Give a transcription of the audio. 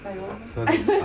そうですか。